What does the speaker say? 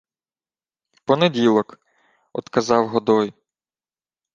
— Понеділок, — одказав Годой.